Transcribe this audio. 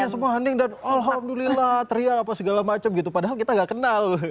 ya semua hending dan alhamdulillah teriak apa segala macam gitu padahal kita gak kenal